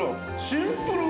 シンプル。